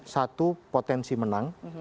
satu potensi menang